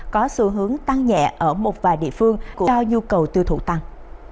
có xu hướng tăng nhẹ ở một vài địa phương do nhu cầu tiêu thụ tăng